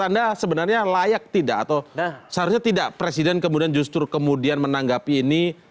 anda sebenarnya layak tidak atau seharusnya tidak presiden kemudian justru kemudian menanggapi ini